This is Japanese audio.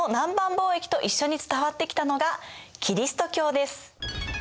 貿易と一緒に伝わってきたのがキリスト教です。